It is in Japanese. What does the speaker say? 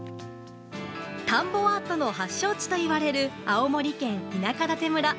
田んぼアートの発祥地といわれる青森県田舎館村。